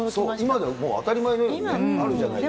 今ではもう当たり前のようにあるじゃないですか。